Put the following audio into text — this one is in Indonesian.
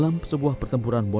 muk undang tni